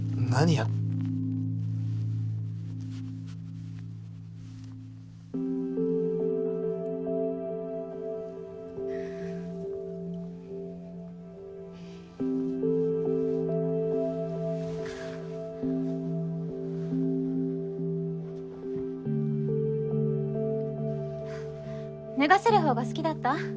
はぁ脱がせるほうが好きだった？